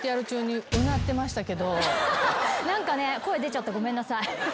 何かね声出ちゃったごめんなさい。